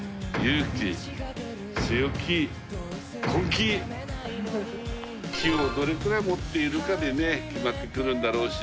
気をどれくらい持っているかでね決まってくるんだろうし。